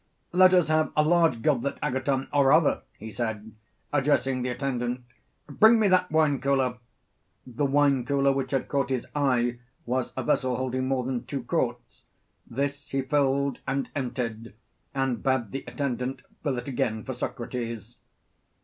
Let us have a large goblet, Agathon, or rather, he said, addressing the attendant, bring me that wine cooler. The wine cooler which had caught his eye was a vessel holding more than two quarts this he filled and emptied, and bade the attendant fill it again for Socrates.